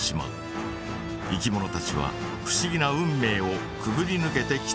いきものたちは不思議な運命をくぐりぬけてきたのです。